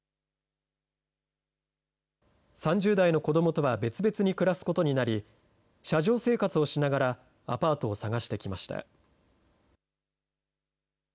３０代の子どもとは別々に暮らすことになり、車上生活をしながらアパートを探してきました。